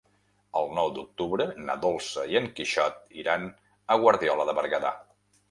El nou d'octubre na Dolça i en Quixot iran a Guardiola de Berguedà.